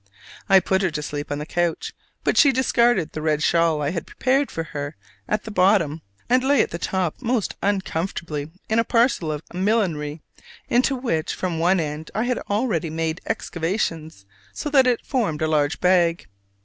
I put her to sleep on the couch: but she discarded the red shawl I had prepared for her at the bottom, and lay at the top most uncomfortably in a parcel of millinery into which from one end I had already made excavations, so that it formed a large bag.